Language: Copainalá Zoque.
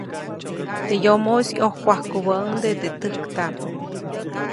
Teʼ yomoʼis ʼyojkwajkubäʼuŋde teʼ täjktaʼm.